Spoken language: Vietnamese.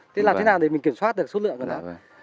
thế làm thế nào để mình kiểm soát được số lượng của nó